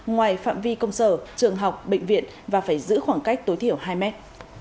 ngoài phạm vi công sở trường học bệnh viện và phải giữ khoảng cách tối thiểu hai mét